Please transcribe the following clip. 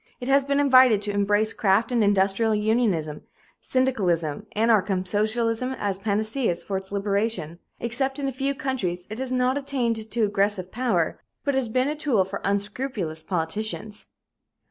It has been invited to embrace craft and industrial unionism, syndicalism, anarchism, socialism as panaceas for its liberation. Except in a few countries, it has not attained to aggressive power, but has been a tool for unscrupulous politicians.